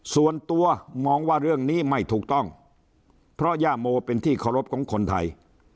ส่วนตัวมองว่าเรื่องนี้ไม่ถูกต้องเพราะย่าโมเป็นที่เคารพของคนไทย